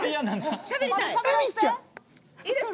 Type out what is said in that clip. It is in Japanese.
いいですか？